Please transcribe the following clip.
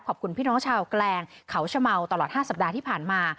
ขอบคุณพี่น้องชาวแกลงเขาชะเมาตลอด๕สัปดาห์ที่ผ่านมา